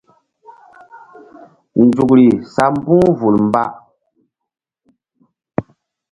Nzukri sa mbu̧h vul mba.